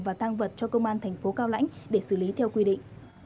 và tăng vật cho công an tp cao lãnh để xử lý theo quy định